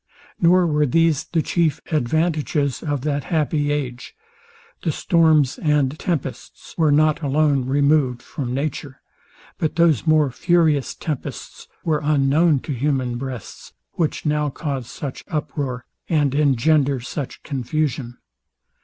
Nor were these the chief advantages of that happy age. The storms and tempests were not alone removed from nature; but those more furious tempests were unknown to human breasts, which now cause such uproar, and engender such confusion.